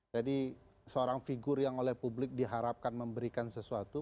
jadi seorang figur yang oleh publik diharapkan memberikan sesuatu